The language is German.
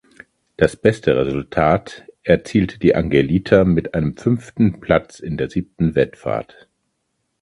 Das beste Resultat erzielte die Angelita mit einem fünften Platz in der siebten Wettfahrt.